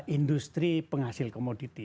industri penghasil komoditi